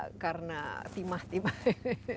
tidak lupa karena timah timah ini